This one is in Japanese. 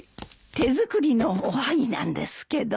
手作りのおはぎなんですけど。